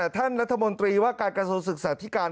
ท่านรัฐมนตรีว่าการกระทรวงศึกษาธิการ